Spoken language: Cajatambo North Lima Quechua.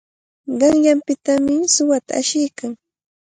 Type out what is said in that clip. Qanyanpitami suwata ashiykan.